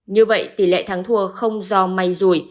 như vậy tỷ lệ thắng thua không do may rủi